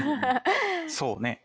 そうね。